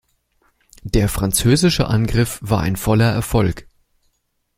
Der französische Angriff war ein voller Erfolg.